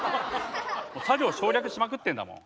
作業省略しまくってんなもう。